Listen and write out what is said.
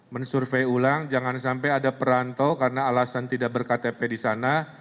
mensurvey ulang jangan sampai ada perantau karena alasan tidak berktp di sana